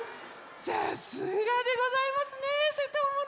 さすがでございますねせともの。